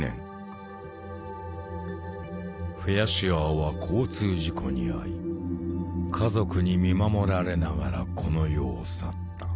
フェアシュアーは交通事故に遭い家族に見守られながらこの世を去った。